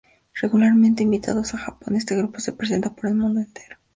Regularmente invitados a Japón, este grupo se presenta por el mundo entero.